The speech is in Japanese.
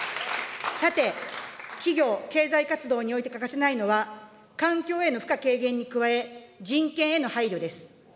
さて、企業・経済活動において欠かせないのは、環境への負荷軽減に加え、人権への配慮です。